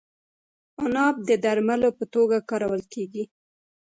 عناب د درملو په توګه کارول کیږي.